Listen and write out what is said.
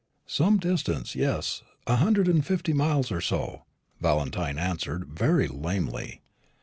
"Some distance; yes a hundred and fifty miles or so," Valentine answered very lamely.